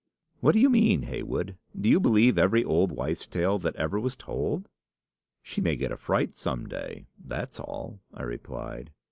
"'What do you mean, Heywood? Do you believe every old wife's tale that ever was told?' "'She may get a fright some day that's all!' I replied.